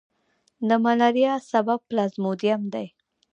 د ملیریا سبب پلازموډیم دی.